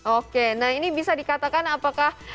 oke nah ini bisa dikatakan apakah